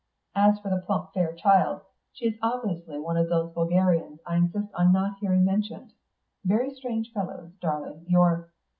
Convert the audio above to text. As for the plump fair child, she is obviously one of those vulgarians I insist on not hearing mentioned. Very strange friends, darling, your...."